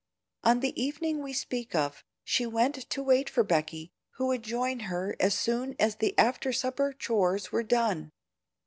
On the evening we speak of, she went to wait for Becky, who would join her as soon as the after supper chores were done.